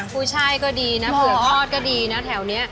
ผู้ชายก็ดีนะเผือกข้อก็ดีนะแถวนี้